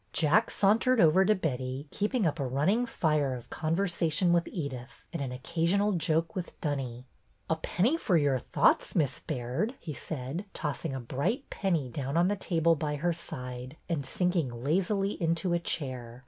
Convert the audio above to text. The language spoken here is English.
Jack sauntered over to Betty, keeping up a running fire of conversation with Edyth, and an occasional joke with Dunny. '' A penny for your thoughts. Miss Baird,'' he said, tossing a bright penny down on the table by her side, and sinking lazily into a chair.